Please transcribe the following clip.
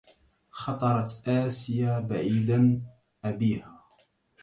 خطرت آسيا بعيد أبيها